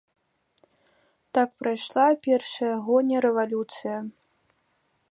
Так прайшла першыя гоні рэвалюцыя.